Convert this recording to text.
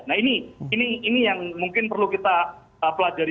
nah ini yang mungkin perlu kita pelajari